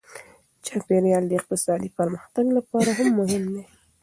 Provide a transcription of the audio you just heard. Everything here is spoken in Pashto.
چاپیریال د اقتصادي پرمختګ لپاره هم مهم دی.